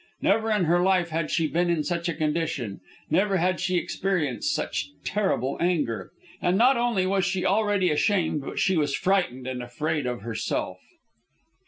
Never in her life had she been in such a condition; never had she experienced such terrible anger. And not only was she already ashamed, but she was frightened and afraid of herself.